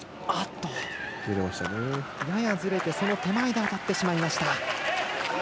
ややずれて手前で当たってしまいました。